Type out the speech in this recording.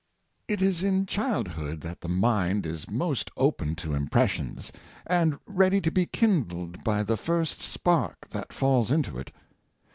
It is in childhood that the mind is most open to im pressions, and ready to be kindled by the first spark that falls into it.